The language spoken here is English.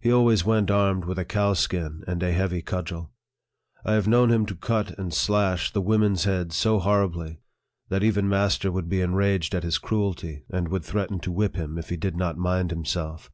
He always went armed with a cowskin and a heavy cudgel. I have known him to cut and slash the women's heads so horribly, that even master would be enraged at his cruelty, and would threaten to whip him if he did not mind himself.